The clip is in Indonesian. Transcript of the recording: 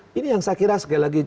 nah ini yang saya kira sekali lagi